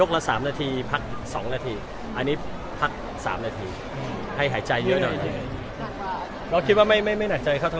เขาก็นั่งใจหน่อยไหมครับสำหรับพี่ขุน